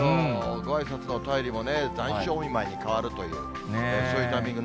ごあいさつの便りも残暑お見舞いに変わるという、そういうタイミ